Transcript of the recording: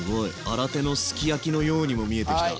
新手のすきやきのようにも見えてきた。